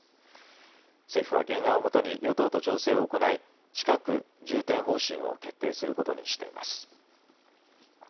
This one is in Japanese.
政府は原案を基に与党と調整を行い近く重点方針を決定することにしています。